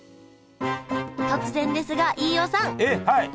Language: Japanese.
突然ですが飯尾さんえっはい。